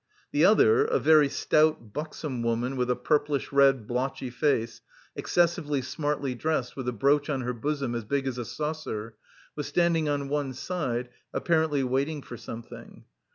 The other, a very stout, buxom woman with a purplish red, blotchy face, excessively smartly dressed with a brooch on her bosom as big as a saucer, was standing on one side, apparently waiting for something.